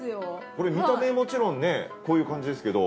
これ見た目もちろんねこういう感じですけど。